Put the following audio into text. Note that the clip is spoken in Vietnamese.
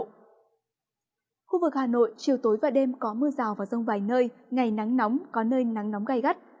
khu vực hà nội chiều tối và đêm có mưa rào và rông vài nơi ngày nắng nóng có nơi nắng nóng gai gắt